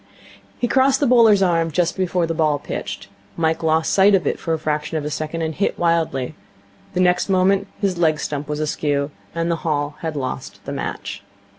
He crossed the bowler's arm just before the ball pitched. Mike lost sight of it for a fraction of a second, and hit wildly. The next moment his leg stump was askew; and the Hall had lost the match.